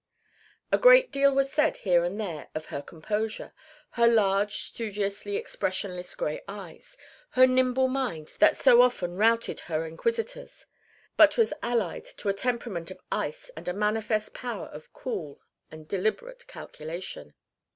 A great deal was said here and there of her composure, her large studiously expressionless grey eyes, her nimble mind that so often routed her inquisitors, but was allied to a temperament of ice and a manifest power of cool and deliberate calculation.